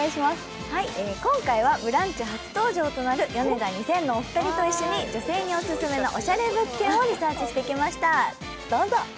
今回はブランチ初登場となるヨネダ２０００のお二人と一緒に女性にオススメのおしゃれ物件をリサーチしてきました。